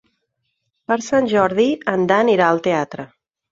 Per Sant Jordi en Dan irà al teatre.